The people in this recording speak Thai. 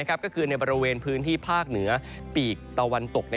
ก็คือในบริเวณพื้นที่ภาคเหนือปีกตะวันตก